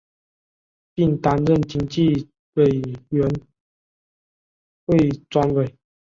并担任经济委员会专委。